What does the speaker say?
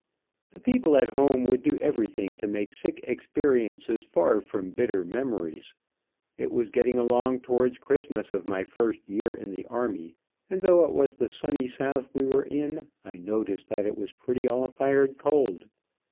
The people at home would do everything to make sick experiences far from bitter memories. It was getting along towards Christmas of my first year in the army, and though it was the Sunny South we were in, I noticed that it was pretty all fired cold.